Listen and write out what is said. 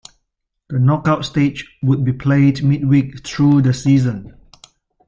The knockout stage would be played midweek through the season.